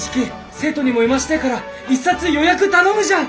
生徒にも読ましてえから１冊予約頼むじゃん！